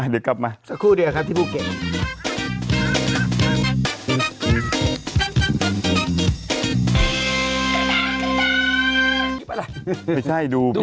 เดี๋ยวกลับมาสักครู่เดียวครับที่ภูเก็ต